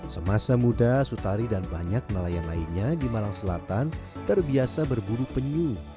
semasa muda sutari dan banyak nelayan lainnya di malang selatan terbiasa berburu penyu